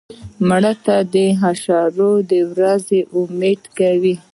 مړه ته د حشر د ورځې امید کوو